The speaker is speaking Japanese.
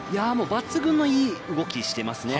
抜群のいい動きしていますね。